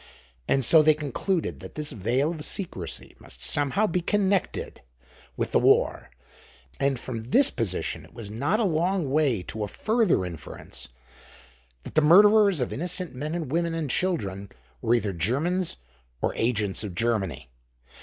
And so they concluded that this veil of secrecy must somehow be connected with the war; and from this position it was not a long way to a further inference: that the murderers of innocent men and women and children were either Germans or agents of Germany.